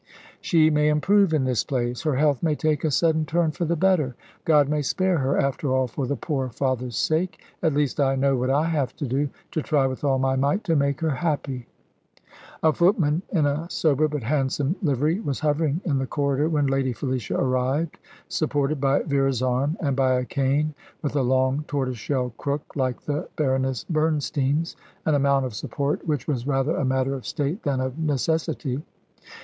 "She may improve in this place. Her health may take a sudden turn for the better. God may spare her, after all, for the poor father's sake. At least I know what I have to do to try with all my might to make her happy." A footman in a sober but handsome livery was hovering in the corridor when lady Felicia arrived, supported by Vera's arm, and by a cane with a long tortoiseshell crook like the Baroness Bernstein's, an amount of support which was rather a matter of state than of necessity.